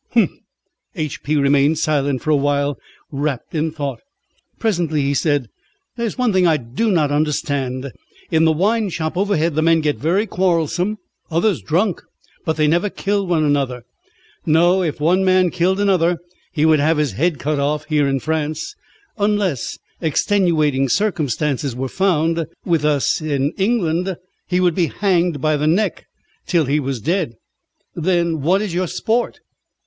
"Humph!" H. P. remained silent for a while wrapped in thought. Presently he said: "There is one thing I do not understand. In the wine shop overhead the men get very quarrelsome, others drunk, but they never kill one another." "No. If one man killed another he would have his head cut off here in France unless extenuating circumstances were found. With us in England he would be hanged by the neck till he was dead." "Then what is your sport?"